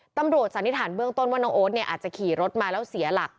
สันนิษฐานเบื้องต้นว่าน้องโอ๊ตเนี่ยอาจจะขี่รถมาแล้วเสียหลัก